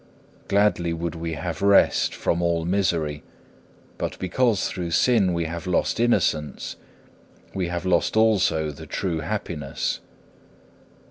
Gladly would we have rest from all misery; but because through sin we have lost innocence, we have lost also the true happiness.